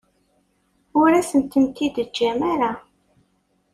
Ur asent-t-id-teǧǧam ara.